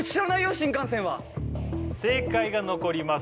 新幹線は正解が残ります